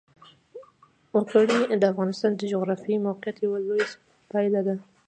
وګړي د افغانستان د جغرافیایي موقیعت یوه لویه پایله ده.